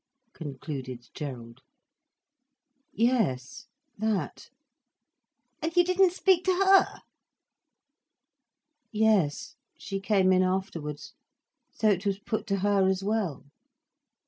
concluded Gerald. "Ye es, that." "And you didn't speak to her?" "Yes. She came in afterwards. So it was put to her as well."